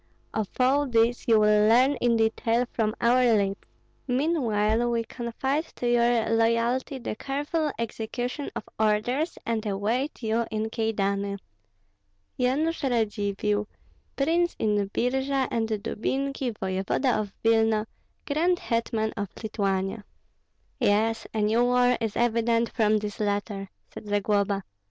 Of all this you will learn in detail from our lips; meanwhile we confide to your loyalty the careful execution of orders, and await you in Kyedani. Yanush Radzivill, Prince in Birji and Dubinki, voevoda of Vilna, grand hetman of Lithuania. "Yes, a new war is evident from this letter," said Zagloba.